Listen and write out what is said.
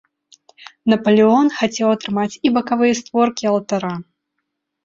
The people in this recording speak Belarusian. Напалеон хацеў атрымаць і бакавыя створкі алтара.